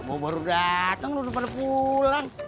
kamu baru dateng lo udah pada pulang